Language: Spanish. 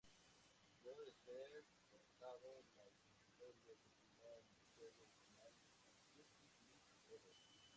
Luego de ser derrotado, la historia continua en el juego original, "Justice League Heroes".